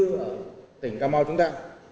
ở tỉnh cà mau chúng ta